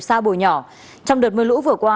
xa bồi nhỏ trong đợt mưa lũ vừa qua